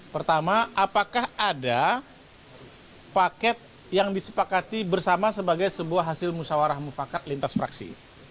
pertama apakah ada paket yang disepakati bersama sebagai sebuah hasil musawarah mufakat lintas fraksi